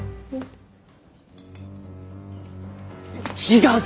違う！